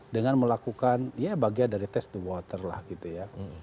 dengan melakukan ya bagian dari test the water lah gitu ya